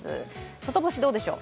外干し、どうでしょう？